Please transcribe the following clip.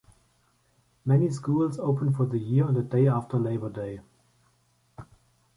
Many schools open for the year on the day after Labor Day.